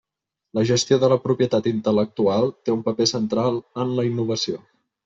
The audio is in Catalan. La gestió de la propietat intel·lectual té un paper central en la innovació.